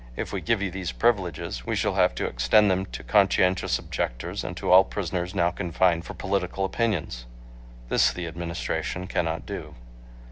If we give you these privileges we shall have to extend them to conscientious objectors and to all prisoners now confined for political opinions. This the Administration cannot do."